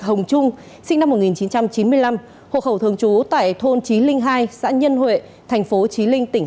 hồng trung sinh năm một nghìn chín trăm chín mươi năm hộ khẩu thường trú tại thôn chí linh hai xã nhân huệ thành phố chí linh